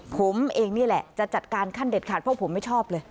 ผมเองนี่แหละจะจัดการขั้นเด็ดขาดเพราะผมไม่ชอบเลย